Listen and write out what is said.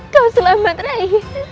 kau selamat rai